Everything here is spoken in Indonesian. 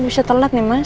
mas dia mau kemana